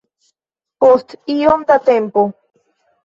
Post iom da tempo.